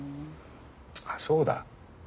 あっそうだ。